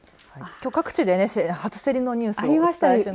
きょう各地で初競りのニュースがありました。